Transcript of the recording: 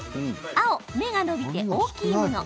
青芽が伸びて大きいもの。